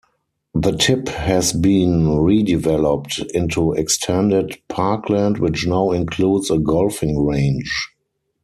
The tip has been redeveloped into extended parkland which now includes a golfing range.